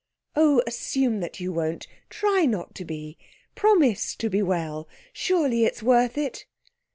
'Oh, assume that you won't. Try not to be promise to be well. Surely it's worth it?'